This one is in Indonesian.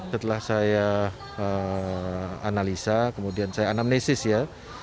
setelah saya analisa kemudian saya anamnesis ya